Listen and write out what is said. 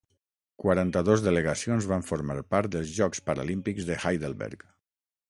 Quaranta-dos delegacions van formar part dels Jocs Paralímpics de Heidelberg.